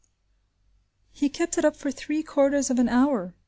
He kept it up for three quarters of an hour!